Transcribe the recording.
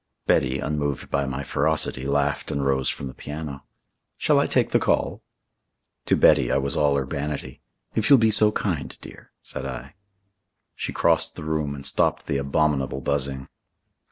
Betty, unmoved by my ferocity, laughed and rose from the piano. "Shall I take the call?" To Betty I was all urbanity. "If you'll be so kind, dear," said I. She crossed the room and stopped the abominable buzzing.